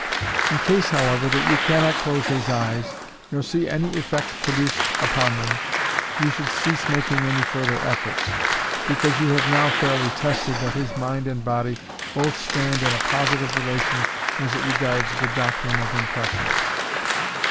In case, however, that you cannot close his eyes, nor see any effect produced upon them, you should cease making any further efforts, because you have now fairly tested that his mind and body both stand in a positive relation as it regards the doctrine of impressions.